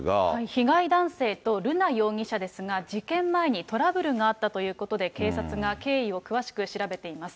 被害男性と瑠奈容疑者ですが、事件前にトラブルがあったということで、警察が経緯を詳しく調べています。